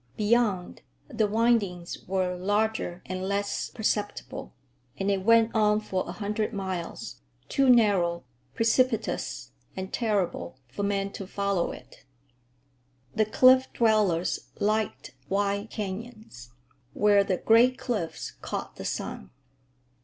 Beyond, the windings were larger and less perceptible, and it went on for a hundred miles, too narrow, precipitous, and terrible for man to follow it. The Cliff Dwellers liked wide canyons, where the great cliffs caught the sun.